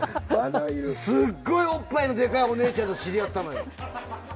すっごいおっぱいの大きいお姉ちゃんと知り合ったのよ。